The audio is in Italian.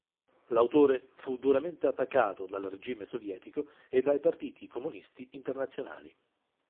L'autore fu duramente attaccato dal regime sovietico e dai partiti comunisti internazionali.